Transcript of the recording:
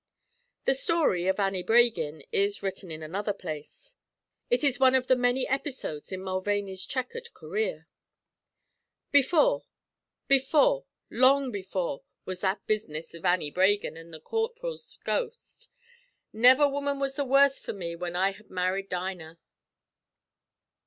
The story of Annie Bragin is written in another place. It is one of the many episodes in Mulvaney's checkered career. "Before before long before was that business av Annie Bragin an' the corp'ril's ghost. Never woman was the worse for me whin I had married Dinah.